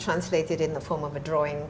anda menerjemahkannya sebagai